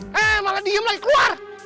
hah malah diem lagi keluar